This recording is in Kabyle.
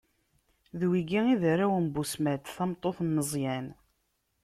D wigi i d arraw n Busmat, tameṭṭut n Meẓyan.